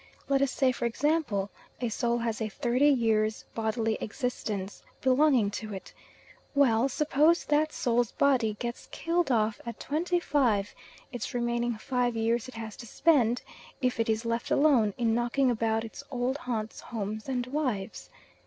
Let us say, for example, a soul has a thirty years' bodily existence belonging to it. Well, suppose that soul's body gets killed off at twenty five, its remaining five years it has to spend, if it is left alone, in knocking about its old haunts, homes, and wives.